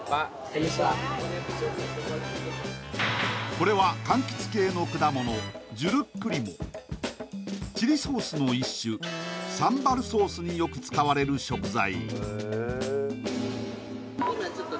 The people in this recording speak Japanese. これは柑橘系の果物ジュルック・リモチリソースの一種サンバルソースによく使われる食材